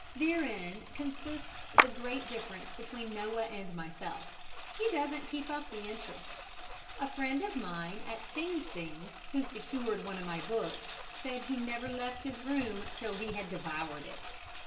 Therein consists the great difference between Noah and myself. He doesn't keep up the interest. A friend of mine at Sing Sing, who secured one of my books, said he never left his room till he had devoured it.